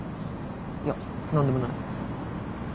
いや何でもない。